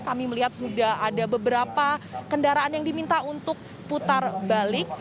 kami melihat sudah ada beberapa kendaraan yang diminta untuk putar balik